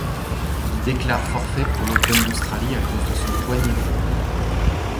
Il déclare forfait pour l'Open d'Australie à cause de son poignet droit.